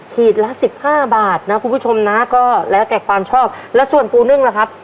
ขีดละสิบห้าบาทนะคุณผู้ชมนะก็แล้วแต่ความชอบแล้วส่วนปูนึ่งล่ะครับ